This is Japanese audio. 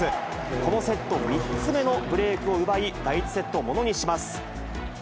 このセット３つ目のブレークを奪い、第１セットをものにします。